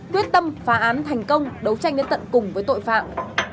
quyết tâm phá án thành công đấu tranh đến tận cùng với tội phạm